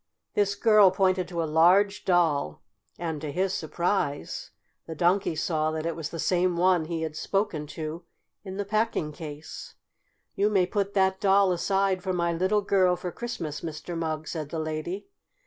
This girl pointed to a large doll, and, to his surprise, the Donkey saw that it was the same one he had spoken to in the packing case. "You may put that Doll aside for my little girl for Christmas, Mr. Mugg," said the lady.